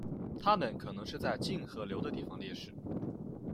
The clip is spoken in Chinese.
它们可能是在近河流的地方猎食。